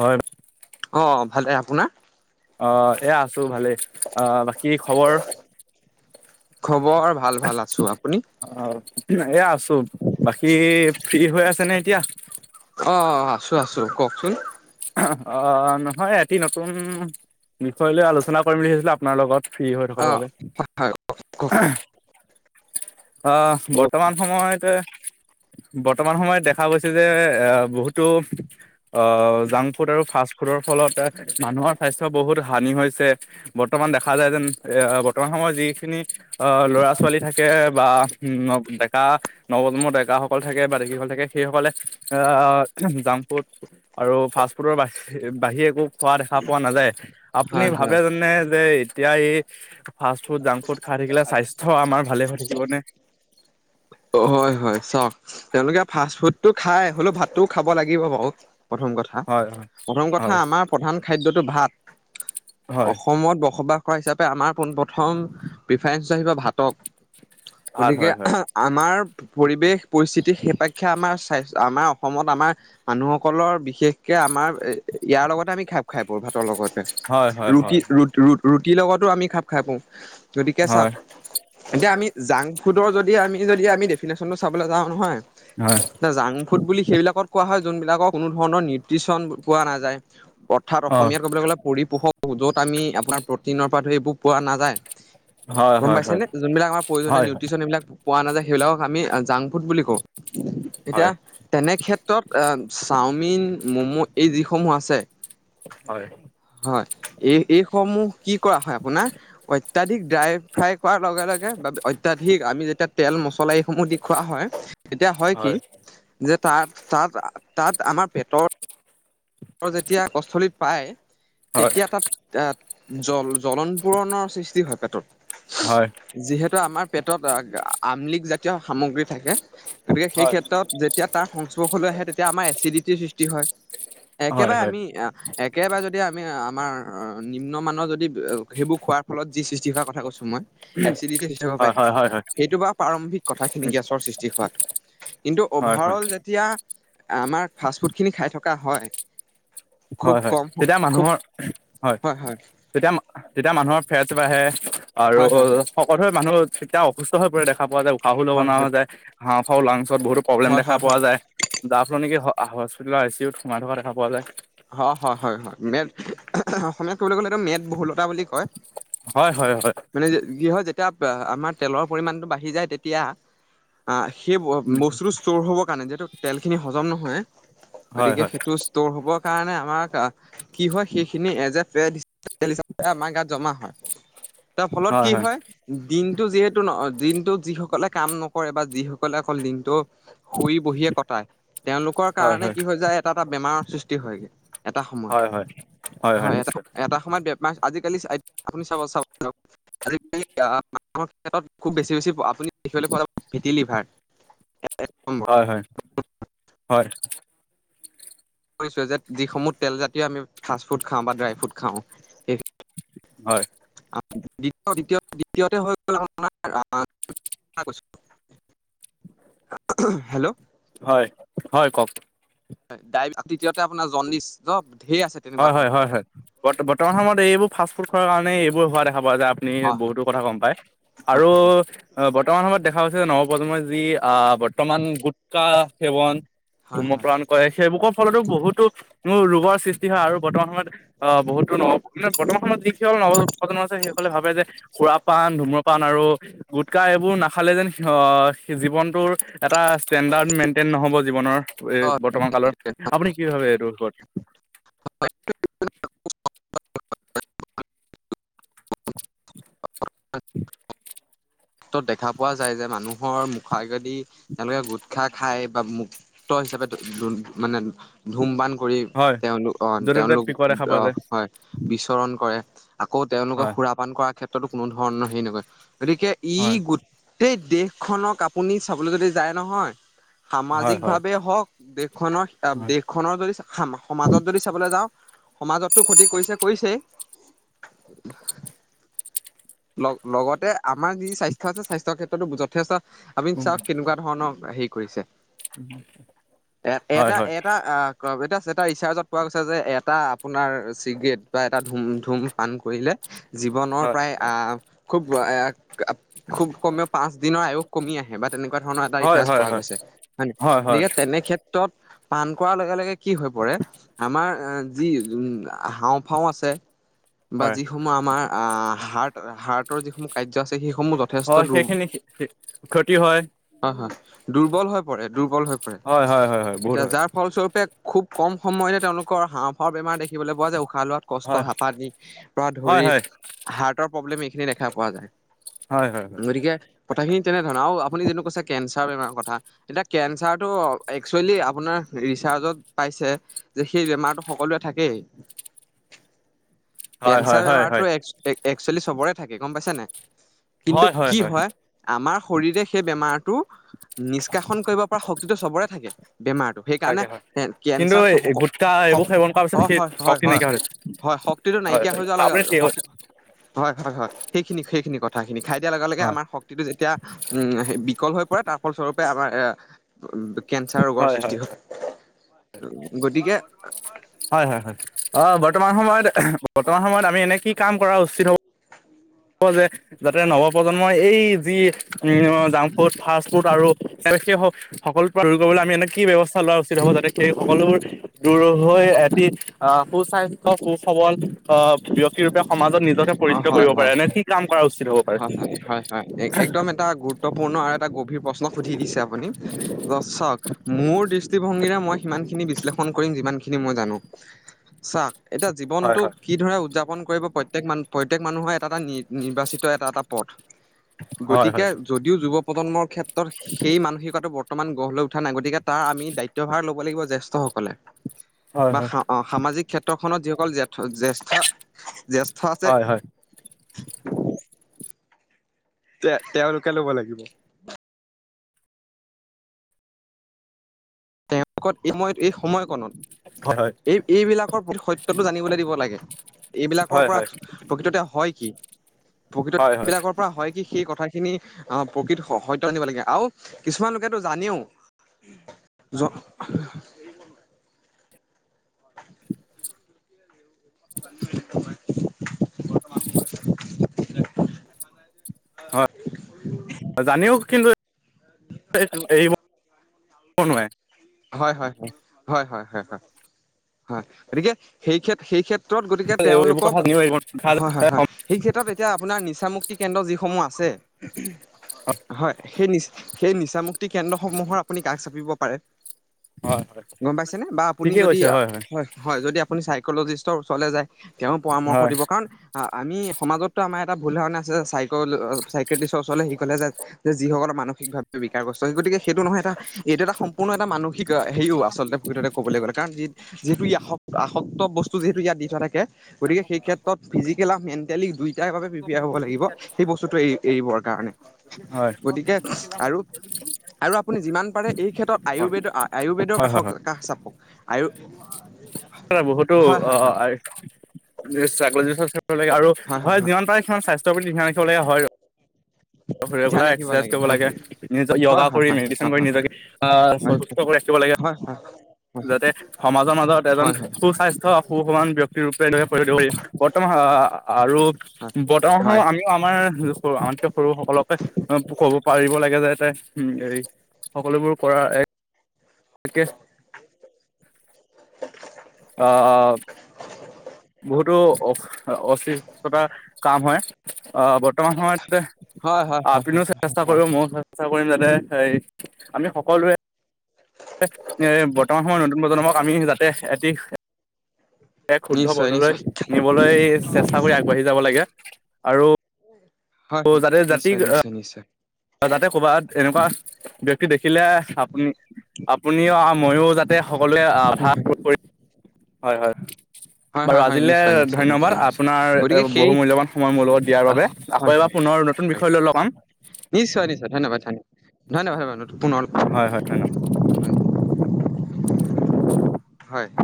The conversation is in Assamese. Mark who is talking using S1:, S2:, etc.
S1: হয়
S2: অ', ভালে আপ আপোনাৰ?
S1: অহ, এয়া আছো ভালেই অহ বাকী খবৰ?
S2: খবৰ ভাল ভাল আছো আপুনি
S1: অ' এয়া আছো, বাকী ফ্ৰী হৈ আছ চেনে এতিয়া
S2: অ আছো আছো। কওকচোন
S1: অ নহয় এটি নতুন বিষয় লৈ আলোচনা কৰিম বুলি ভাবিছিলো আপোনাৰ লগত। ফ্ৰী হৈ থকাৰ
S2: অ
S1: বাবে।
S2: হয় হয়
S1: অ বৰ্তমান সময়তে। বৰ্তমান সময়ত দেখা গৈছে যে এ বহুতো আহ জাং ফুড আৰু ফাষ্ট ফুডৰ ফলত মানুহৰ স্বাস্থ্য বহুত হানি হৈছে, বৰ্তমান দেখা যায় যেন বৰ্তমান সময়ত যিখিনি ল'ৰা ছোৱালী থাকে বা ন ডেকা নৱজন্মৰ ডেকাসকল থাকে বা ডেকীসকল থাকে সেইসকলে জাংক ফুড আৰু ফাষ্ট ফুডৰ ব বাহিৰে একো খোৱা দেখা পোৱা নাযায় আপুনি ভাবে
S2: হয়
S1: জানে যে এতিয়া এই ফাষ্ট ফুড জাংক ফুড খাই থাকিলে স্বাস্থ্য আমাৰ ভালে হয় থাকিবনে?
S2: অ হয় হয় চাওক তেওঁলোকে ফাষ্ট ফুডটো খাই হ'লেও ভাতটোও খাব লাগিব বাৰু প্ৰথম কথা
S1: হয় হয়
S2: প্ৰথম কথা
S1: হয়
S2: আমাৰ প্ৰধান খাদ্যটো ভাত
S1: হয়
S2: অসমত বসবাস হিচাপে আমাৰ পোন প্ৰথম প্ৰিফাৰেঞ্চ চ আহিবা ভাতক
S1: ভাল
S2: গতিকে
S1: হয় হয়।
S2: আমাৰ পৰিৱেশ পৰিস্থিতি সেপেক্ষে আমাৰ স্ব্ আমাৰ অসমত আমাৰ মানুহসকলৰ বিশেষকৈ আমাৰ ইয়াৰ লগতে আমি খাপ খাই বৰ ভাতৰ লগত।
S1: হয় হয়
S2: ৰুটি
S1: হয়
S2: ৰুট ৰুট ৰুট তিৰ‌‌ লগতো আমি খাপ খাই পও। গতিকে চাওক
S1: হয়
S2: এতিয়া আমি জাংক ফুডৰ যদি আমি যদি আমি‌দেফিনেশচনটো চাবলৈ যাওঁ নহয়
S1: হয়
S2: জাংক ফুড বুলি সেইবিলাকত কোৱা হয় যোনবিলাকৰ কোনো ধৰণৰ নিউট্ৰিচন পোৱা নাযায়। অৰ্থাৎ
S1: অ
S2: অসমীয়াত ক'বলৈ গ'লে পৰিপোষ য'ত আমি আপোনাৰ প্ৰটনৰ পৰা ধৰি এইবোৰ পোৱা নাযায়,
S1: হয়
S2: গম
S1: হয়
S2: পাইছে
S1: হয়
S2: নে যোনবিলাক আমাৰ প্ৰয়োজনীয়
S1: হয়
S2: নিউট্ৰিচন এইবিলাক পোৱা নাযায় সেইবিলাকক আমি জাংক ফুড বুলি কওঁ।
S1: হয়
S2: এতিয়া তেনে ক্ষেত্ৰত অ চাউণ্ড চাওমিন, ম'ম' এই যিসমূহ আছে!
S1: হয় হয়
S2: হয়। এই এইসমূহ কি কৰা হয় আপোনাৰ ইত্যাধিক ড্ৰাই ফ্ৰাই কোৱাৰ লগে লগে অত্যাধিক আমি যে তেল মচল সমহ দি খুৱা হয়, তেতিয়া হয় কি তাত, তাত, তাত আমাৰ পেটৰ যেতিয়া পাকস্থলীত পায়
S1: হয়
S2: তেতিয়া তাত জল জলন পূৰণৰ সৃষ্টি হয়
S1: হয় হয় হয়
S2: পোটত। যিহেতু আমাৰ পেটত আমলিক জাতীয় সামগ্ৰী থাকে। গতিকে সেই ক্ষেত্ৰত যেতিয়া তাৰ সংস্পৰ্শলৈ আহে তেয়া এতিয়া আমাৰ এচিডিটিৰ সৃষ্টি হয়।
S1: হয়
S2: একেবাৰে আমি একেবাৰে যদি আমি আমাৰ নিম্নমানানৰ যদি সেইবোৰ খোৱাৰ ফলত যি সৃষ্টি হোৱাৰ কথা কৈছো এচিডিটি হৈ যাব
S1: হয়
S2: পাৰে।
S1: হয় হয়
S2: সেইটো বা প্ৰাৰম্ভিক কথাখিনি
S1: উম
S2: গেছৰ সৃষ্টি হোৱাটো কিন্তু
S1: হয়
S2: অভাৰ অল যেতিয়া আমাৰ ফাষ্ট ফুডখিনি খাই থকা হয়। খুব
S1: হয়, হয়,
S2: কম
S1: তেতিয়া
S2: খুব
S1: মানুহৰ, হয়, তেতিয়া, তেতিয়া মানুহৰ ফেট বাঢ়ে আৰু
S2: হয় হয়
S1: শকত হৈ মানুহ তেতিয়া অসুস্থ হৈ পৰিৰে দেখা পোৱা যায়। পাভো
S2: হয়
S1: নমনা হৈ যায়। হাও ফাও, লাংচ। ছত বহুতো প্ৰবলেম
S2: হয়
S1: দেখা
S2: হয় হয় হয়
S1: পোৱা যায় যাৰ ফলত নেকি হ হস্পিতেলৰ আই চি ও ত সোমাই থকা দেখা পোৱা যায়।
S2: হয়, হয়, হয়, হয়, মে, অসমীয়াত কবলৈ গ'লে এইটো মেদ ভুলৰ বুলি কয়।
S1: হয় হয় হয়
S2: মানে কি হয় যে এতিয়া আমাৰ তেলৰ পৰিমাণটো বাঢ়ি যায় তেতিয়া, অহ সেই
S1: উম,
S2: বস্তুটো ষ্ট'ৰ হ'ব কাৰণে যিহেতু তেলখিনি হজম নহয় হয়।
S1: হয়
S2: গতিকে
S1: হয়
S2: সেইটো ষ্ট'ৰ হ'ব কাৰণে আমাৰ কি হয় সেইখিনি এজ এ ফেটছ [unintelligible] হিচাপে আমাৰ গাত জমা হয়। তাৰ ফলত কি হয়, দিনটো যিহেতু ন, দিনটো যি সকলে কাম নকৰে বা যিসকলে অকল দিনটো শুই বহিয়ে কটাই তেওঁলোকৰ
S1: হয়
S2: কাৰণে
S1: হয়
S2: কি হৈ যায় এটা এটা বেমাৰৰ সৃচ টি হয়গে।
S1: হয় হয় হয় হয় নিশ্চয়।
S2: এটা সময়ত আজিকালি আপুনি চাব মানুহৰ ক্ষেত্ৰত খুব বেছি বেছি আপুনি দেখিবলৈ পোৱা যাব ভেটি লিভাৰ,
S1: হয় হয় হয়! [unintelligible]
S2: যে যিসমূহ তেলজাতীয় আমি ফাষ্ট ফুড খাওঁ বা ড্ৰাই ফ্ৰুড খাওঁ সেই,
S1: হয়!
S2: দ্বিতীয়তে হৈ গ'ল আপোনাৰ হেল্ল'!
S1: হয় হয় কওক,
S2: তৃতীয়তে আপোনাৰ জন্ডিছ,
S1: হয় হয় হয় হয় ব বৰ্তমান সময়ত এইবোৰ ফাষ্ট ফুড খোৱাৰ কাৰণে এইবোৰ হোৱা দেখা পোৱা যায় আপুনি
S2: হয়
S1: বহুতো কথা গম পায়।
S2: হয়
S1: আৰু বৰ্তমান সময়ত দেখা গৈ হৈছে যে নৱপ্ৰজন্মই যি আহ বৰ্তমান গুটখা সেৱন
S2: হয় হয়
S1: ধুমপান কৰে সেইবুকৰ ফলতো বহুতো ৰোগৰ সৃষ্টি হয় আৰু বৰ্তমান সময়ত আহ বহুতো ন বৰ্তমান সময়ত যিসকল নপজন্ম আছে সেইসকলে ভাৱে যে সুৰা পান ধুম। পান আৰু গোটখাএইবোৰ নাখালে যেন জীৱনটোৰ এটা ষ্টেণ্ডাৰ্ড মেইনটেইন নহব জীৱনৰ
S2: হয়
S1: বৰ্তমান কালৰ আপুনি কি ভাবে এইটোৰ উপৰত,
S2: [unintelligible]
S1: [inaudible]
S2: ক্ষেত্ৰত দেখা পোৱা যায় যে মানুহৰ মুখা আগেদি তেওঁলোকে গোটখা খাই বা মুখ হিচাপে মানে। ধূমপান কৰি
S1: হয়
S2: তেওঁলোক আহ
S1: য'তে ত'তে
S2: তেওঁলোক
S1: পিকৰে খাব যায়
S2: হয় বিচৰণ কৰে আকৌ তেওঁলোকে
S1: হয়
S2: সুৰাপান কৰা ক্ষেত্ৰত উত্তৰটো কোনো ধৰণৰ হেৰি নকয়, গতিকে ই
S1: হয়
S2: গোট গোটেই দেশখনক আপুনি চাবলৈ যদি যায় নহয়
S1: হয়
S2: সামাজিক
S1: হয়
S2: ভাৱে হওক দেশখনৰ
S1: হয়
S2: দেশখনৰ যদি সমাজত যদি চাবলৈ যাওঁ সমাজতো ক্ষতি কৰিছে কৰিছেই লগ লগতে আ আমাৰ যি স্বাস্থ্য আছে স্বাস্থ্য ক্ষেত্ৰতো বুজাব ঠেছা আপুনি
S1: উম
S2: চাওক কেনেকুৱা ধৰণৰ হেৰি কৰিছে। এ
S1: হয়
S2: এটা
S1: হয়
S2: এটা আহ এটা এটা ৰিচাৰ্জত পোৱা গৈছে যে এটা আপোনাৰ চিগাৰেট বা এটা ধুম ধুম পান কৰিলে জীৱনৰ
S1: হয়
S2: প্ৰায় আহ, খুব খুব কমেও পাঁচ দিনৰ আয়ুস কমি আহে বা তেনেকুৱা ধৰণৰ এটা
S1: হয়
S2: ৰিচাৰ্জ
S1: হয়
S2: পোৱা
S1: হয়
S2: গৈছে, হয় ন গতিকে তেনে ক্ষেত্ৰত পান কৰাৰ লগে লগে কি হৈ পৰে আমাৰ যি উ হাওঁফাওঁ আছে। বা
S1: হয়
S2: যিসমূহ আমাৰ হাৰ্ট হাৰ্টৰ যিখন কাৰ্য- আছে সেইসমূহ যথেষ্ট
S1: হয় সেইখিনি
S2: হয়। দুৰ্বল হৈ পৰে দুৰ্বল হৈ পৰে
S1: হয় হয় হয় হয় বহুত
S2: এতিয়া যাৰ ফলস্বৰূপে খুব কম সময়তে তেওঁলোকৰ হাওঁফাওঁ বেমাৰ দেখিবলৈ পোৱা যায় ঊষা লোৱাত কষ্ট
S1: হয়
S2: হাঁপানীৰপৰা
S1: হয়
S2: ধৰি
S1: হয়
S2: হাৰ্টৰ প্ৰব্লেম এইখিনি দেখা পোৱা যায়।
S1: হয় হয়।
S2: গতিকে কথাখিনি তেনেধৰণৰ আৰু আপুনি যিটো কৈছে কেঞ্চাৰ বেমাৰৰ কথা, এতিয়া কেঞ্চাৰটো একচুৱেলি আপোনাৰ ৰিচাৰ্চত পাইছে যে সেই বেমাৰটো সকলোৱে থাকেই।
S1: হয় হয়
S2: কেন্সাৰ
S1: হয়
S2: বেমাৰটো এক্কচুৱেলী চবৰে থাকে গম পাইছে নাই? কিন্তু কি হয় আমাৰ শৰীৰে সেই বেমাৰটো নিষ্কাশন কৰিব পৰা শক্তিটো চাবৰে থাকে। বেমাৰটো সেইকাৰণে,
S1: তাকে হয় কিন্তু
S2: কেঞ্চাৰ
S1: গুটখা এইবোৰ সেৱন কৰাৰ পিছত
S2: অ
S1: সেই
S2: হয় হয়
S1: শক্তি
S2: হয়
S1: নাইকিয়া হৈ গৈছে।
S2: হয় শক্তিটো
S1: হয়
S2: নাইকিয়া হৈ
S1: হয়
S2: যোৱা লগে
S1: আপুনি ঠিক কৈছে।
S2: হয় হয় হয়। সেইখিনি সেইখিনি কথা কথাখিনি। খাই দিয়াৰ লগে লগে
S1: হয়
S2: আমাৰ শক্তিটো যেতিয়া উ বিকল হৈ। ত তাৰ ফল স্বৰূপে আমাৰ এ। কেঞ্চাৰ ৰোগৰ
S1: হয় হয়
S2: সৃষ্টি হয়। গতিকে।
S1: হয়, হয়, হয় অ বৰ্তমান সময়ত বৰ্তমান সময়ত আমি এনে কি কাম কৰা উচিত হ'ব।
S2: উ।
S1: হ যে যাতে নৱপ্ৰজন্মই এই যি জাংক ফাষ্ট ফুড আৰু সেই সকলো পৰা দূৰ কৰিবলৈ আমি এ কি ব্যৱস্থা লোৱা উচিত হ'ব যাতে সেই সকলোবোৰ দূৰ হৈ এটি আহ। সোস্বাস্থ্য সবল আহ ব্যক্তি সমাজত নি পৰিষ্কাৰ
S2: হয়
S1: কৰিব।
S2: অ হয়,
S1: পাৰে
S2: হয়, হয়, হয়, হয় একদম এটা গুৰুত্বপূৰ্ণ আৰু এটা গভীৰ প্ৰশ্ন। সুধি দিছে আপুনিক মোৰ দৃষ্টিভংগীৰে মই সিমানখিনি বিশ্লেষণ কৰিম যিমান খিনি। সি মই জানো। চাক। এতিয়া
S1: হয়
S2: জীৱনটো
S1: হয়
S2: কি ধৰে উদযাপন। কৰিব প্ৰত্যেক মানু্হ প্ৰত্যেক মানুহৰ এটা এটা নিৰ্বাচিত এটা, এটা পথ। গতিকে
S1: হয়
S2: যদিও যুৱ। প্ৰজন্ম খেট। সেই মানসিকতটো বৰ। ৰ্তমান গঢ় লৈ উঠা নাই গতিকে তাৰ আমি দায়িতভাৰ ল'ব লাগিব জ্যেষ্ঠসকলে।
S1: হয় হয়
S2: বা সা অ সামাজিক ক্ষেত্ৰখনত যি- অকল জেঠ জ্যেষ্ঠ, জ্যেষ্ঠ আছে
S1: হয় হয়
S2: [unintelligible] তে তেওঁলোকে ল'ব লাগিব তেওঁ লোকত এই সময়ত এই সময়কণত
S1: হয় হয়
S2: এই এইবিলাকৰ সত্যটো জানিবলৈ দিব লাগে। এইবিলাকৰ
S1: হয়
S2: পৰা
S1: হয়
S2: প্ৰকৃততে হয় কি? প্ৰকৃত
S1: হয় হয় হয়
S2: বিলাকৰ পৰা হয় কি সেই কথা- খিনি অহ প্ৰকৃত সত্য আনিব লাগে আৰু কিছুমান লোকেতো জানিও জ [unintelligible]
S1: [unintelligible]
S2: দে দেখা নাই যে [unintelligible]
S1: জানিও কিন্তু [unintelligible] ব নোৱাৰে
S2: হয় হয় হয়, হয় হয় হয় হয় গতিকে সেইখেত, সেইখেত ত্ৰত গতিকে
S1: এইবোৰ
S2: তেওঁলোকক
S1: কথা জানিও এৰিব
S2: হয় হয় হয় সেই ক্ষেত্ৰত এতিয়া আপোনাৰ নিচামুক্তি কেন্দ্ৰ যিসমূহ আছে হুম হয় সেই নিচ- সেই নিচামুক্তি কেন্দ্ৰসমূহৰ আপুনি কাষ চাপিব পাৰে।
S1: হয়
S2: গম পাইছেনে? বা আপুনি
S1: ঠিকেই
S2: যদি
S1: কৈছে হয় হয়
S2: হয়-হয় যদি আপুনি চাই ক'লজিষ্টৰ ওচৰলে যায় তেওঁ পৰামৰ্শ
S1: হয়
S2: দিব কাৰণ আমি সমাজত আমাৰ এটা ভুল ধাৰণা আছে চাইক' ল' অ' চাইক্ৰেটিচৰ ওচৰলৈ যিসকলে যায় যে যিসকলে মানসিকভাৱে বিকাৰগ্ৰস্ত সেই গতিকে সেইটো নহয় এইটো এটা সম্পূৰ্ণ এটা মান- ঠিক হেৰিও আচলতে প্ৰকৃততে ক'বলৈ গ'লে কাৰণ যি যিটো ই আস আসক্ত বস্তু যিহেতু ইয়াত দি থোৱা থাকে গতিকে সেই ক্ষেত্ৰত ফিজিকেল আৰু মেন- টেলি দুই- টা ৰ বাবে প্ৰিপিয়াৰ হ'ব লাগিব সেই বস্তুটো এ এৰিবৰ কাৰণে
S1: হয় হয়
S2: গতিকে আৰু, আৰু আপুনি যিমান পাৰে এই ক্ষেত্ৰত আয়ুৰ্বেদ আ- য়ুৰ্বেদৰ
S1: হয় হয়
S2: কাষক
S1: হয়
S2: কাষ চাপক আয়ু
S1: বহুতো
S2: হয় হয়
S1: অ' অ
S2: হয়
S1: আই চাইকলজিষ্টৰ ওচৰে আৰু হয় যিমান পাৰে সিমান স্বা -স্ত্য প্ৰতি ধ্যান ৰাখিবলগীয়া হয় আৰু
S2: ধ্যান
S1: ৰেগুলাৰ
S2: ৰাখিব
S1: এক্সাৰচাইজ কৰিব
S2: হয়
S1: লাগে নিজক
S2: হয়
S1: য়োগা
S2: হয়
S1: কৰি
S2: হয় হয়
S1: মেডিটেশ্যন কৰি নিজকে আ'
S2: হয় হয়
S1: সুস্থ কৰি ৰাখিব লাগে।
S2: হয়
S1: যাতে সমাজৰ মাজত এজন
S2: হয় হয়
S1: সুস্বাস্থ্য সু-সমান ব্যক্তিৰ ৰূপ কৰি পৰিচয় দিব পাৰি। বৰ্তমান আ' আৰু বৰ্তমান
S2: হয়
S1: সময় আমিও আমাৰ সৰু, আনকে সৰু সকলকে ক'ব পাৰিব লাগে যাতে উম এই সকলোবোৰ পৰা এক কে অঁ অ' বহুতো অ অসস্থতা কাৰ হয় ব বৰ্তমান সময়ত
S2: হয় হয় হয় হয় হয় হয়
S1: আপনিও
S2: হয়
S1: চেষ্টা কৰিব
S2: হয়
S1: ময়ো চেষ্টা কৰিম যাতে হ আমি সকলোৱে, বৰ্তমান সময়ত নতুন প্ৰজন্মক আমি যাতে এটি এক শুদ্ধ
S2: নিশ্চয়
S1: পথলৈ
S2: নিশ্চয়
S1: নিবলৈ চেষ্টা কৰি আগবাঢ়ি যাব লাগে। আৰু,
S2: [unintelligible] হয় হয়
S1: যাতে জাতি
S2: নিশ্চয় নিশ্চয় নিশ্চয়।
S1: যাতে ক'বাত এনেকুৱা ব্যক্তি দেখিলে আপুনি আপুনিও মইয়ো যাতে সকলোৱে বাধা কৰি। হয় হয়।
S2: হয়
S1: বাৰু
S2: হয় হয়
S1: আজিলৈ
S2: নিশ্চয় নিশ্চয়
S1: ধন্যবাদ
S2: নিশ্চয় নিশ্চয়
S1: আপোনাৰ
S2: গতিকে
S1: বহু
S2: সেই
S1: মূল্যৱান সময় মোৰ লগত দিয়াৰ বাবে আকৌ
S2: হয়
S1: এবাৰ
S2: হয়
S1: পুনৰ নতুন
S2: হয়
S1: বিষয় লৈ লগপাম,
S2: নিশ্চয় নিশ্চয় ধন্যবাদ, ধন্যাবাদ, ধন্যবাদ। পুনৰ
S1: হয় হয় হয়।
S2: হয়।